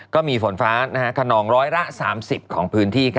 ก็มีฝนฟ้าขนองร้อยละ๓๐ของพื้นที่